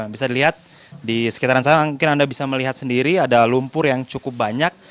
bisa dilihat di sekitaran sana mungkin anda bisa melihat sendiri ada lumpur yang cukup banyak